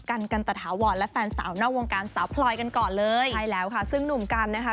กันกันตะถาวรและแฟนสาวนอกวงการสาวพลอยกันก่อนเลยใช่แล้วค่ะซึ่งหนุ่มกันนะคะ